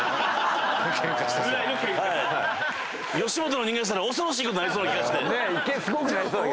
吉本の人間にしたら恐ろしいことになりそうな気が。